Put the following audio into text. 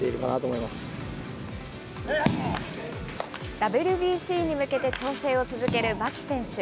ＷＢＣに向けて調整を続ける牧選手。